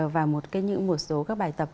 và một số các bài tập